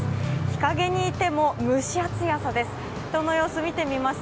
日影にいても蒸し暑い朝です。